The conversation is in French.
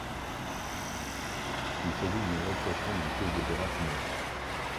Il s'agit d'une adaptation d'une pièce d'opéra chinois.